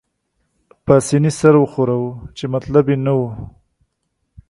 پاسیني سر وښوراوه، چې مطلب يې نه وو.